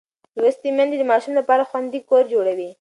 لوستې میندې د ماشوم لپاره خوندي کور جوړوي.